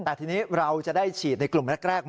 แต่ทีนี้เราจะได้ฉีดในกลุ่มแรก